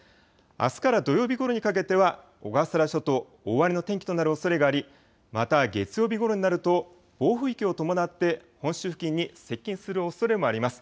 あすから土曜日ごろにかけては、小笠原諸島、大荒れの天気となるおそれがあり、また月曜日ごろになると、暴風域を伴って本州付近に接近するおそれもあります。